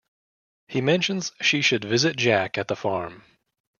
He mentions she should visit Jack at the farm.